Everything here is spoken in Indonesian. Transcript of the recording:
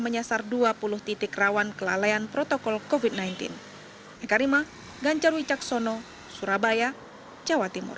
menyasar dua puluh titik rawan kelalaian protokol kofit sembilan belas eka rima ganjar wicaksono surabaya jawa timur